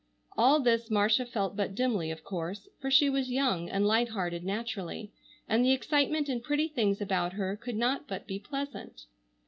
All this Marcia felt but dimly of course, for she was young and light hearted naturally, and the excitement and pretty things about her could not but be pleasant.